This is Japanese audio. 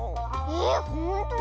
えほんと？